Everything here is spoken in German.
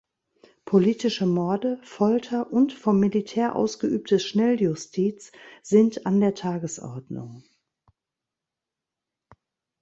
Politische Morde, Folter und vom Militär ausgeübte Schnelljustiz sind an der Tagesordnung.